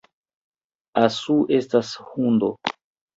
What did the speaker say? Asu estas hundo